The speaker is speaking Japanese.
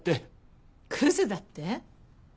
クズだって？